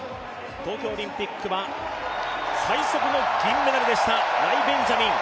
東京オリンピックは最速の銀メダルでしたライ・ベンジャミン。